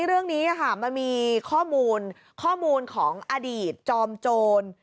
เรื่องนี้ค่ะมันมีข้อมูลของอดีตจอมโจร